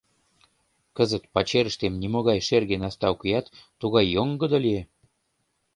Кызыт пачерыштем нимогай шерге наста укеат, тугай йоҥгыдо лие.